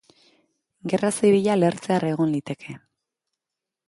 Gerra zibila lehertzear egon liteke.